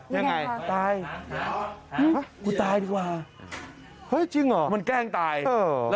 ยังไงตายกูตายดีกว่ามันแกล้งตายจริงเหรอ